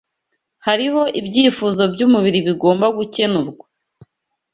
Hariho ibyifuzo by’umubiri bigomba gukenurwa;